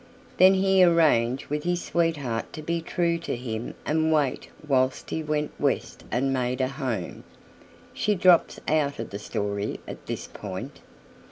Then he arranged with his sweetheart to be true to him and wait whilst he went west and made a home. She drops out of the story at this point.